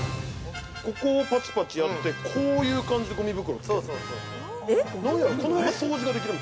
ここをパチパチやって、こういう感じで、ごみ袋をつける。